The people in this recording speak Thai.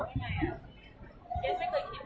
เวลาแรกพี่เห็นแวว